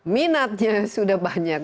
minatnya sudah banyak